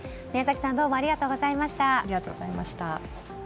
宮崎さんどうもありがとうございました。